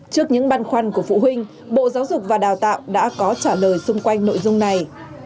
trước những băn khoăn của phụ huynh bộ giáo dục và đào tạo đã có trả lời xung quanh nội dung này